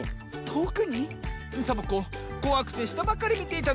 サボ子こわくてしたばかりみていたの。